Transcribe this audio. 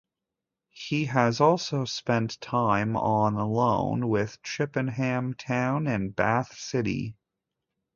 He has also spent time on loan with Chippenham Town and Bath City.